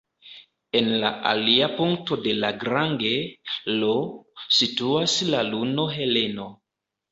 En la alia punkto de Lagrange, L, situas la luno Heleno.